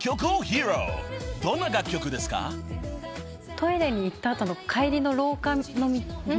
トイレに行った後の帰りの廊下で。